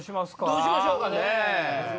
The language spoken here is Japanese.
どうしましょうかねぇ。